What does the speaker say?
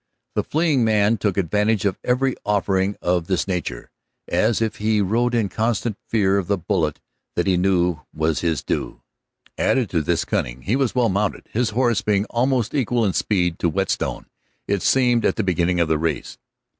The fleeing man took advantage of every offering of this nature, as if he rode in constant fear of the bullet that he knew was his due. Added to this cunning, he was well mounted, his horse being almost equal in speed to Whetstone, it seemed, at the beginning of the race.